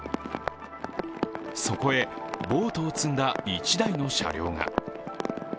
そこへ、ボートを積んだ１台の車両が。